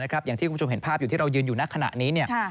อย่างที่คุณผู้ชมเห็นภาพอยู่ที่เรายืนอยู่ในขณะนี้